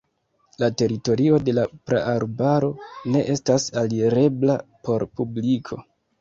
La teritorio de la praarbaro ne estas alirebla por publiko.